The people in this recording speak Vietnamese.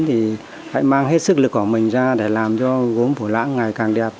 thì hãy mang hết sức lực của mình ra để làm cho gốn phủ lãng ngày càng đẹp hơn